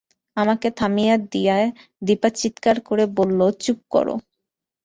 আমাকে থামিয়ে দিয়ে দিপা চিৎকার করে বলল, চুপ কর।